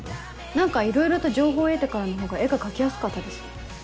何かいろいろと情報を得てからのほうが絵が描きやすかったです。